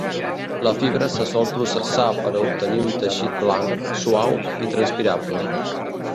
La fibra se sol processar per a obtenir un teixit blanc, suau i transpirable.